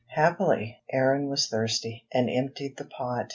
Happily, Aaron was thirsty, and emptied the pot.